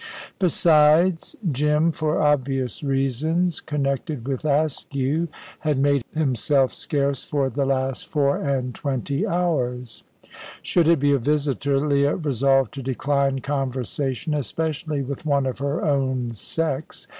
Besides, Jim, for obvious reasons, connected with Askew, had made himself scarce for the last four and twenty hours. Should it be a visitor, Leah resolved to decline conversation, especially with one of her own sex.